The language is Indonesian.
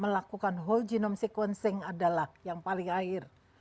melakukan whole genome sequencing adalah yang paling akhir